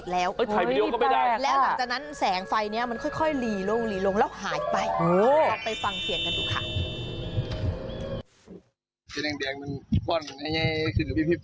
แล้วหลังจากนั้นแสงไฟเนี่ยมันค่อยหลีลงแล้วหายไป